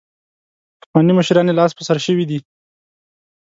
پخواني مشران یې لاس په سر شوي دي.